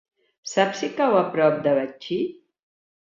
Saps si cau a prop de Betxí?